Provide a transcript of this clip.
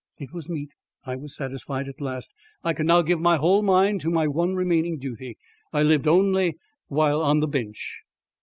It was meet. I was satisfied at last. I could now give my whole mind to my one remaining duty. I lived only while on the Bench.